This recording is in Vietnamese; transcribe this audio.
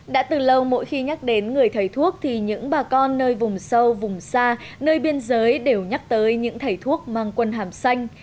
đã từ lâu mỗi khi nhắc đến người thầy thuốc thì những bà con nơi vùng sâu vùng xa nơi biên giới đều nhắc tới những thầy thuốc mang quân hàm xanh